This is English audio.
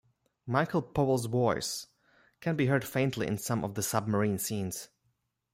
Michael Powell's voice can be heard faintly in some of the submarine scenes.